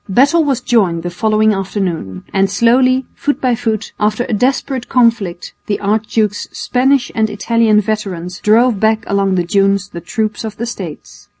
Battle was joined the following afternoon, and slowly, foot by foot, after a desperate conflict the archduke's Spanish and Italian veterans drove back along the dunes the troops of the States.